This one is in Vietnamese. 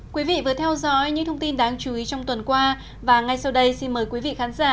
quý vị vừa theo dõi những thông tin đáng chú ý trong tuần qua và ngay sau đây xin mời quý vị khán giả